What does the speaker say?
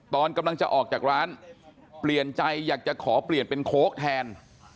ตอนกำลังจะออกจากร้านเปลี่ยนใจอยากจะขอเปลี่ยนเป็นโค้กแทน